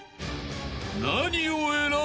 ［何を選ぶ？］